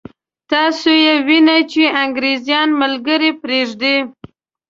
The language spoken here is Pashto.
تاسو یې وینئ چې انګرېزان ملګري پرېږدي.